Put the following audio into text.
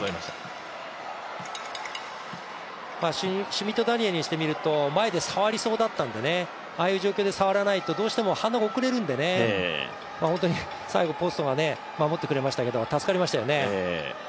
シュミット・ダニエルにしてみると、前で触りそうだったのでああいう状況で触らないとどうしても反応が遅れるんで、本当に最後、ポストが守ってくれましたけど助かりましたよね。